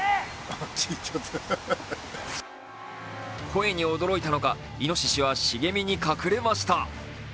声に驚いたのか、いのししは茂みに隠れました。